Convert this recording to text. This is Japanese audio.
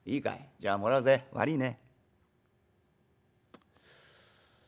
じゃあもらうぜ悪いね』」。